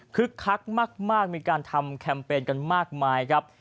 คักมากมีการทำแคมเปญกันมากมายครับ